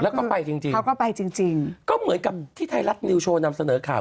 แล้วก็ไปจริงจริงเขาก็ไปจริงจริงก็เหมือนกับที่ไทยรัฐนิวโชว์นำเสนอข่าว